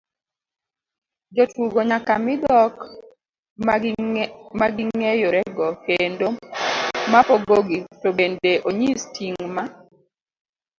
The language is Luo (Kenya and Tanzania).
jotugo nyaka mi dhok maging'eyorego kendo mapogogi, to bende onyis ting' ma